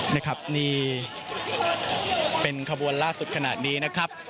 นี่ครับนี่เป็นขบวนล่าสุดขนาดนี้นะครับ